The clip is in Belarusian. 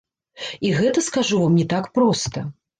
І гэта, скажу вам, не так проста.